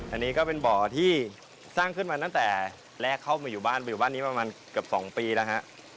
อันนี้ก็เป็นบ่อที่สร้างขึ้นมาตั้งแต่แรกเข้ามาอยู่บ้านอยู่บ้านนี้ประมาณเกือบ๒ปีแล้วฮะ